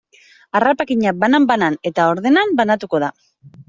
Harrapakina banan-banan eta ordenan banatuko da.